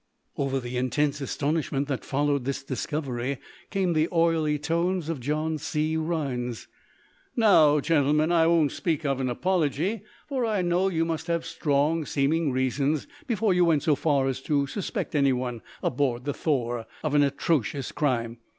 Over the intense astonishment that followed this discovery came the oily, tones of John C. Rhinds: "Now, gentlemen, I won't speak of an apology, for I know you must have strong seeming reasons before you went so far as to suspect anyone aboard the 'Thor' of an atrocious crime.